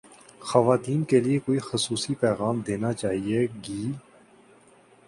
خواتین کے لئے کوئی خصوصی پیغام دینا چاہیے گی